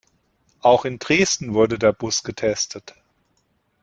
Auch in Dresden wurde der Bus getestet.